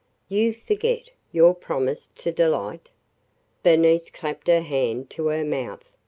"You forget – your promise to Delight!" Bernice clapped her hand to her mouth.